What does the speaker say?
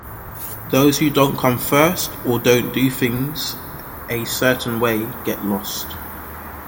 Those who don't come first or don't do things a certain way get lost.